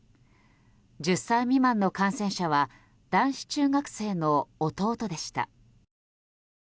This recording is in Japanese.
１０歳未満の感染者は男子中学生の弟でした。